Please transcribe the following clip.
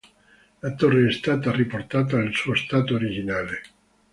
La torre è stata riportata al suo stato originale.